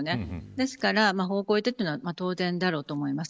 ですから、法を超えてというのは当然だろうと思います。